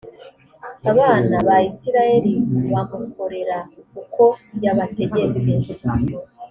abana ba isirayeli bamukorera uko yabategetse